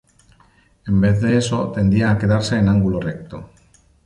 En vez de eso tendía a quedarse en ángulo recto.